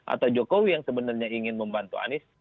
atau jokowi yang sebenarnya ingin membantu anies